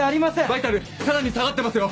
バイタルさらに下がってますよ！